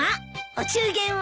お中元は？